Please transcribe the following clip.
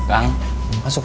makan tinggal cuma rasanya